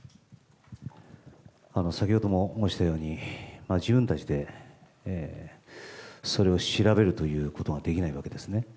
先ほども申したように、自分たちでそれを調べるということができないわけですね。